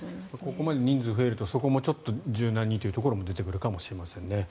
ここまで人数が増えるとそこも柔軟にというところも出てくるかもしれませんね。